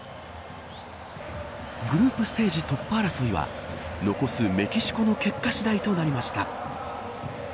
グループステージ突破争いは残すメキシコの結果次第となりました。